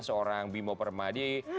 seorang bimo permadi